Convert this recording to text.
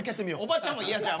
おばちゃんも嫌じゃ。